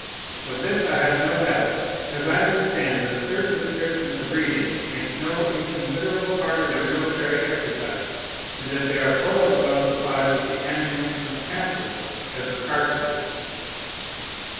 Of this I have no doubt; as I understand that a certain description of reading makes no inconsiderable part of their military exercises, and that they are full as well supplied with the ammunition of pamphlets as of cartridges.